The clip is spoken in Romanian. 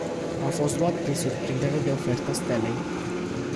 Am fost luat prin surprindere de oferta Stelei.